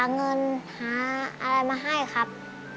อเรนนี่ส์ผมเจ็บไข้ละตั๋วครับ